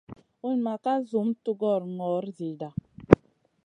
Unma ka zum tugora gnor zida.